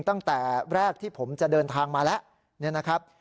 ตั้งแต่แรกที่ผมจะเดินทางมาแล้วเนี่ยนะครับ